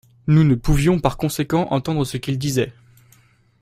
Nous ne pouvions par conséquent entendre ce qu'ils disaient.